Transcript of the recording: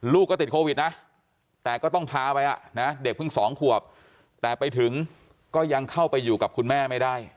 ลูกก็ติดโควิดนะแต่ก็ต้องพาไปอ่ะนะเด็กเพิ่ง๒ขวบแต่ไปถึงก็ยังเข้าไปอยู่กับคุณแม่ไม่ได้